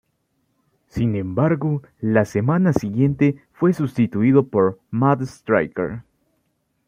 Sin embargo, la semana siguiente fue sustituido por Matt Striker.